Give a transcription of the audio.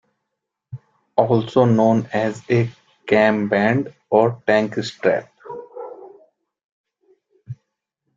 Also known as a cam band or tank strap.